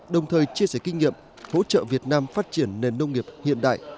đồng thời chia sẻ kinh nghiệm hỗ trợ việt nam phát triển nền nông nghiệp hiện đại